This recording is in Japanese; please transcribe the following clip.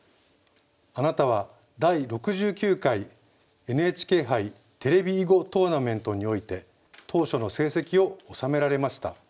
あなたは第６９回ＮＨＫ杯テレビ囲碁トーナメントにおいて頭書の成績をおさめられました。